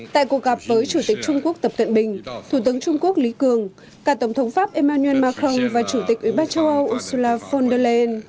tại cuộc gặp với chủ tịch trung quốc tập cận bình thủ tướng trung quốc lý cường cả tổng thống pháp emmanuel macron và chủ tịch ủy ban châu âu ursula von der leyen